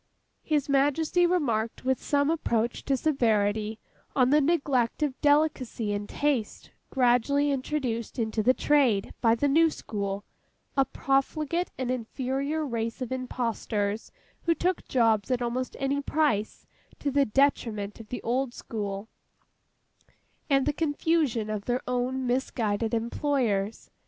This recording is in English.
His Majesty remarked, with some approach to severity, on the neglect of delicacy and taste, gradually introduced into the trade by the new school: a profligate and inferior race of impostors who took jobs at almost any price, to the detriment of the old school, and the confusion of their own misguided employers.